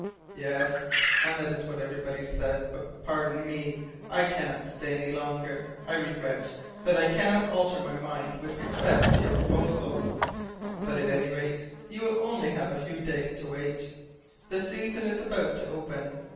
"Yes, and that is what everybody says! But, pardon me, I cannot stay any longer. I regret that I cannot alter my mind with respect to your proposal. But, at any rate, you will only have a few days to wait. The season is about to open.